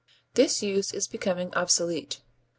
This use is becoming obsolete.